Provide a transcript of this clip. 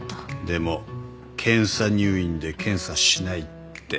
でも検査入院で検査しないって。